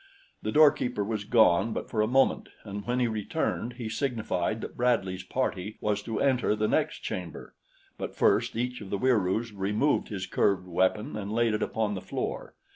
The doorkeeper was gone but for a moment, and when he returned, he signified that Bradley's party was to enter the next chamber; but first each of the Wieroos removed his curved weapon and laid it upon the floor.